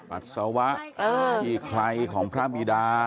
ปัสสาวะที่ใครของพระบิดา